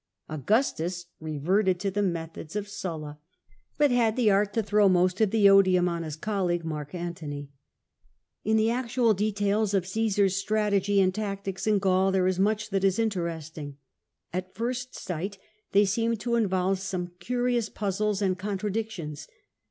Augustus reverted to the methods of Sulla, but had the art to throw most of the odium on his colleague, Mark Antony. In the actual details of Cmsar's strategy and tactics in Gaul there is much that is interesting ; at first sight they seem to involve some curious puaizles and contradictions.